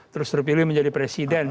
terus terpilih menjadi presiden